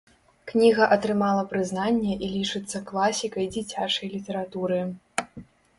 Кніга атрымала прызнанне і лічыцца класікай дзіцячай літаратуры.